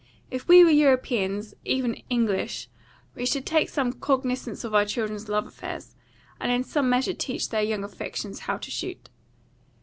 If we were Europeans, even English, we should take some cognisance of our children's love affairs, and in some measure teach their young affections how to shoot.